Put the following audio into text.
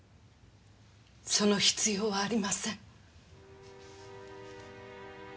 その必要はありません。